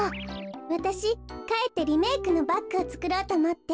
わたしかえってリメークのバッグをつくろうとおもって。